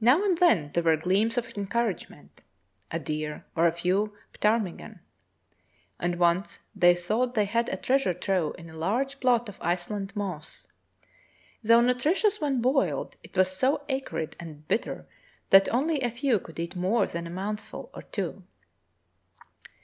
Now and then there were gleams of encouragement —* Franklin on the Barren Grounds 29 a deer or a few ptarmigan; and once they thought they had a treasure trove in a large plot of iceland moss. Though nutritious when boiled, it was so acrid and bitter that only a few could eat more than a mouthful or two.